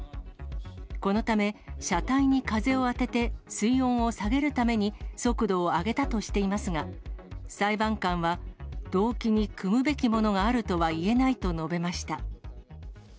このため、車体に風を当てて、水温を下げるために速度を上げたとしていますが、裁判官は、動機にくむべきものがあるとは言えないと述べました。